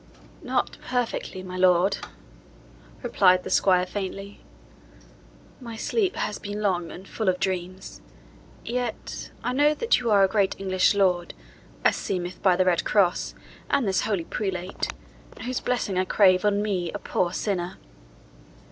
"Not perfectly, my lord," replied the squire faintly. "My sleep has been long and full of dreams. Yet I know that you are a great English lord, as seemeth by the red cross, and this a holy prelate, whose blessing I crave on me a poor sinner."